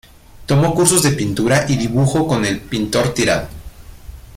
Tomó cursos de pintura y dibujo con el pintor Tirado.